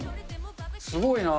すごいなぁ。